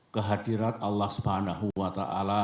kehadirat allah swt